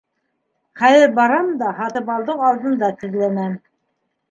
Хәҙер барам да һатыбалдың алдында теҙләнәм.